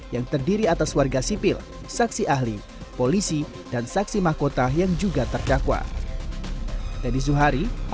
yang terdiri atas warga sipil saksi ahli polisi dan saksi mahkota yang juga terdakwa